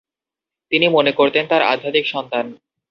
তিনি মনে করতেন তার আধ্যাত্মিক সন্তান।